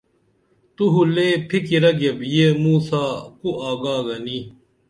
تو ہو لے فِکِرہ گیپ یی موں سا کُا آگا گنی